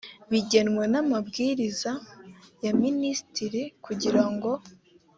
bigenwa n amabwiriza ya minisitiri kugira ngo